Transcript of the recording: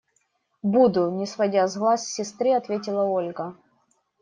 – Буду! – не сводя глаз с сестры, ответила Ольга.